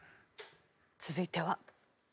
続いては。